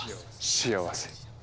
幸せ。